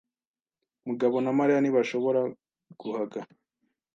Mugabo na Mariya ntibashobora guhaga.